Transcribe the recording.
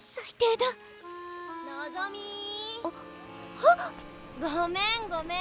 はっ！ごめんごめん。